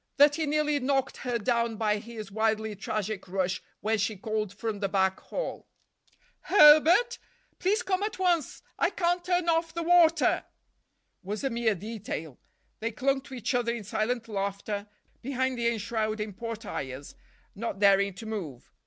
That he nearly knocked her down by his wildly tragic rush when she called from the back hall—"Herbert, please come at once! I can't turn off the water," was a mere detail—they clung to each other in silent laughter, behind the enshrouding porti—res, not daring to move.